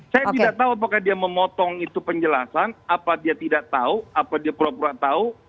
saya tidak tahu apakah dia memotong itu penjelasan apa dia tidak tahu apa dia pura pura tahu